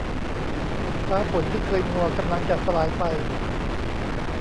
ฟ้าฝนที่เคยมัวกำลังจะสลายไป